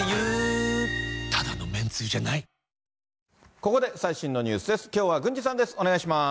ここで最新のニュースです。